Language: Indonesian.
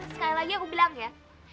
sekali lagi aku bilang ya